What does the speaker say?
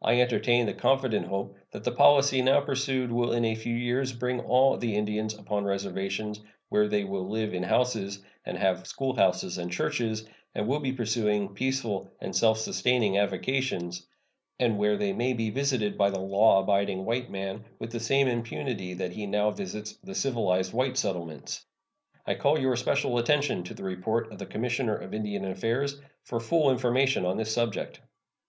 I entertain the confident hope that the policy now pursued will in a few years bring all the Indians upon reservations, where they will live in houses, and have schoolhouses and churches, and will be pursuing peaceful and self sustaining avocations, and where they may be visited by the law abiding white man with the same impunity that he now visits the civilized white settlements. I call your special attention to the report of the Commissioner of Indian Affairs for full information on this subject.